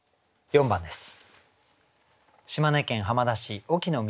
４番です。